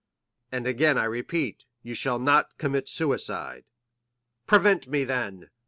"And I again repeat, you shall not commit suicide." "Prevent me, then!"